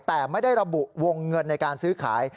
แต่ไม่ได้ระบุวงเงินในการซื้อขาย